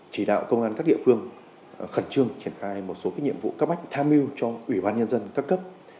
chỉ đạo công an các địa phương khẩn trương triển khai một số nhiệm vụ cấp bách tham mưu cho ủy ban nhân dân các cấp